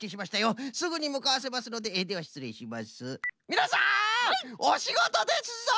みなさんおしごとですぞ！